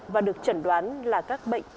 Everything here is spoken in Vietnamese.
và được chẩn đoán là các bệnh